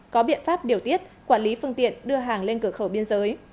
có biện pháp điều tiết quản lý phương tiện đưa hàng lên cửa khẩu biên giới